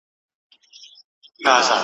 پروني ملا ویله چي کفار پکښي غرقیږي